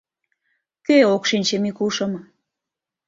Кӧ, ок шинче Микушым?